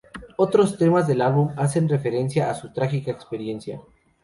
Otros temas del álbum hacen referencia a su trágica experiencia.